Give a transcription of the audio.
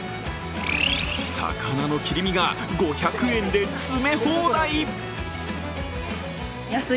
魚の切り身が５００円で詰め放題。